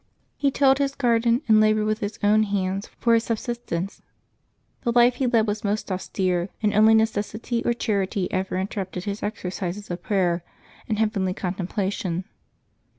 He tilled his garden and labored with his own hands for his subsistence. The life he led was most austere, and only necessity or charity ever interrupted his exercises of prayer and heavenly contem plation.